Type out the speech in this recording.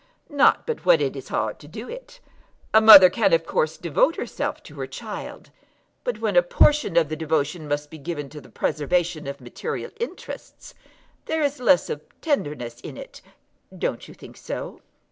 "Not but what it is hard to do it. A mother can of course devote herself to her child; but when a portion of the devotion must be given to the preservation of material interests there is less of tenderness in it. Don't you think so?"